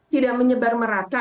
tidak menyebar merata